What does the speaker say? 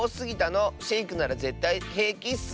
シェイクならぜったいへいきッス！